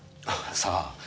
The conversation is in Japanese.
さあ。